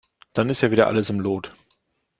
Dann ist ja wieder alles im Lot.